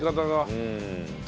うん。